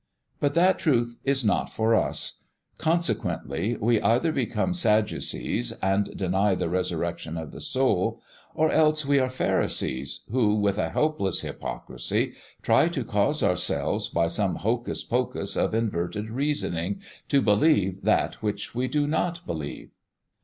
But that truth is not for us; consequently we either become sadducees and deny the resurrection of the soul, or else we are pharisees who, with a helpless hypocrisy, try to cause ourselves, by some hocus pocus of inverted reasoning, to believe that which we do not believe.